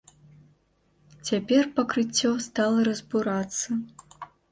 Цяпер пакрыццё стала разбурацца.